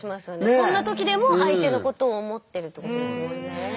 そんな時でも相手のことを思ってるってことですもんね。